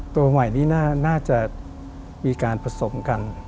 ตัวใหม่นี้น่าจะมีการผสมกัน